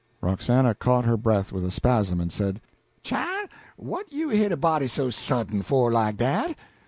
Roxana caught her breath with a spasm, and said "Chile! What you hit a body so sudden for, like dat?